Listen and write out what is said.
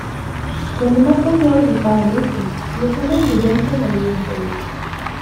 Cuando más confiados estaban estos, los hombres de Johnson abrieron fuego.